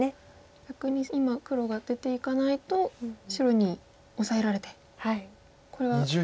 逆に今黒が出ていかないと白にオサえられてこれは窮屈ですか。